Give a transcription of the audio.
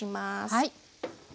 はい。